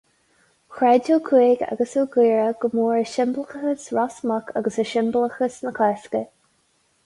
Chreid Ó Cuaig agus Ó Gaora go mór i siombalachas Ros Muc agus i siombalachas na Cásca.